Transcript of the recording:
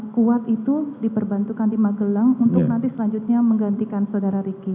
kuat itu diperbantukan di magelang untuk nanti selanjutnya menggantikan saudara ricky